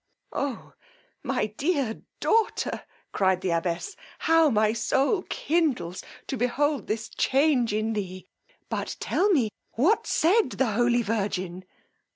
Oh my dear daughter! cried the abbess, how my soul kindles to behold this change in thee! but tell me what said the holy virgin!